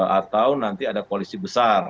atau nanti ada koalisi besar